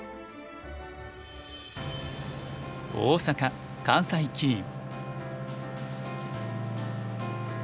大阪関西棋院。